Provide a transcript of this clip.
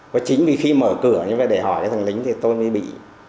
và chính vì khi mở cửa như vậy để hỏi cho thành lính thì tôi mới bị